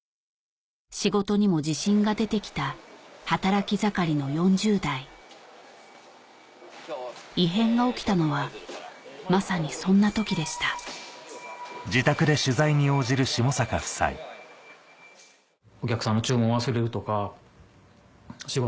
仕事にも自信が出てきた働き盛りの４０代異変が起きたのはまさにそんな時でしたって思って。